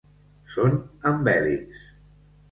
Són amb hèlixs.